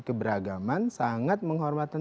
keberagaman sangat menghormati